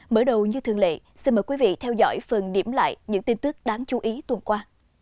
mở đầu như thường lệ xin mời quý vị theo dõi phần điểm lại những tin tức đáng chú ý tuần qua